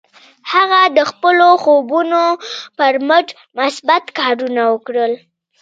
هغه د خپلو خوبونو پر مټ مثبت کارونه وکړل.